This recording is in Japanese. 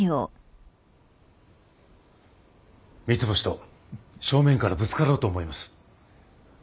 三ツ星と正面からぶつかろうと思います。